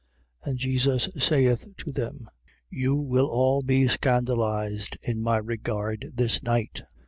14:27. And Jesus saith to them: You will all be scandalized in my regard this night.